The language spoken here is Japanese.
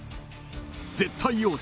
［絶対王者